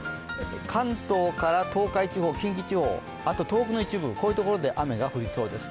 関東から東海地方、近畿地方、あと東北の一部で雨が降りそうです。